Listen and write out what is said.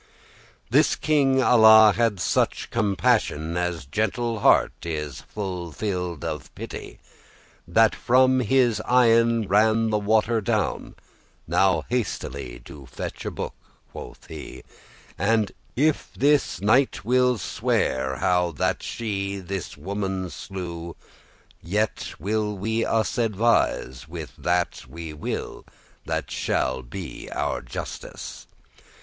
This king Alla had such compassioun, As gentle heart is full filled of pity, That from his eyen ran the water down "Now hastily do fetch a book," quoth he; "And if this knight will sweare, how that she This woman slew, yet will we us advise* *consider Whom that we will that shall be our justice."